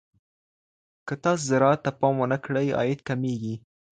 که تاسي زراعت ته پام ونه کړئ، عايد کمېږي.